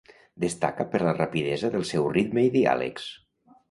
Destaca per la rapidesa del seu ritme i diàlegs.